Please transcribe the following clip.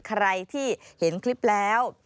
ใครที่เห็นคลิปแล้ว